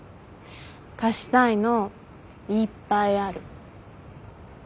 貸したいのいっぱいある。